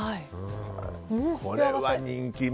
これは人気に。